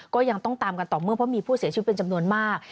ก็ยังต้องตามกันต่อเมื่อเพราะมีผู้เสียชีวิตเป็นจำนวนมาก